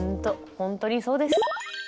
本当にそうです。